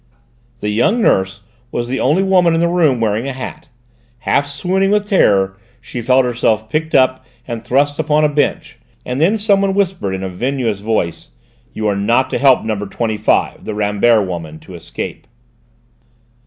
The young nurse was the only woman in the room wearing a hat. Half swooning with terror, she felt herself picked up and thrust upon a bench, and then someone whispered in a vinous voice: "You are not to help no. 25, the Rambert woman, to escape."